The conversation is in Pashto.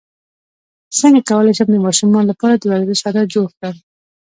څنګه کولی شم د ماشومانو لپاره د ورزش عادت جوړ کړم